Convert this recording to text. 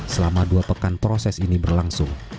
selama dua pekan proses ini berlangsung